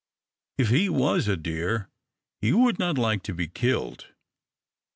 If he was a deer, he would not like to be killed.